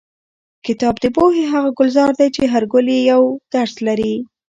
کتاب د پوهې هغه ګلزار دی چې هر ګل یې یو نوی درس لري.